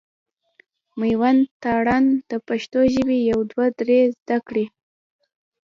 مېوند تارڼ د پښتو ژبي يو دوه درې زده کړي.